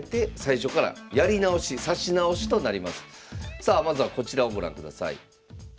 さあまずはこちらをご覧ください。